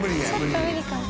ちょっと無理かな？